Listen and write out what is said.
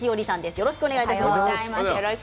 よろしくお願いします。